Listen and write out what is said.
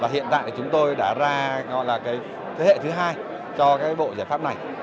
hiện tại chúng tôi đã ra thế hệ thứ hai cho bộ giải pháp này